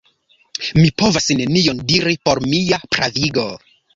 Mi povas nenion diri por mia pravigo.